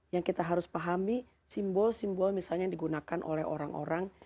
yang kita harus pahami simbol simbol misalnya yang digunakan oleh orang orang